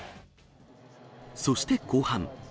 そして後半。